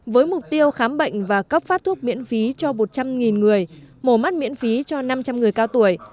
với mục tiêu khám bệnh và cấp phát thuốc miễn phí cho một trăm linh người mổ mắt miễn phí cho năm trăm linh người cao tuổi